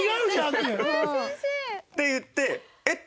って言ってえっ！